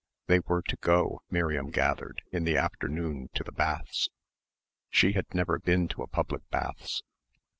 They were to go, Miriam gathered, in the afternoon to the baths.... She had never been to a public baths....